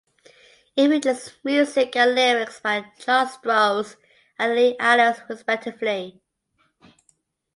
It features music and lyrics by Charles Strouse and Lee Adams respectively.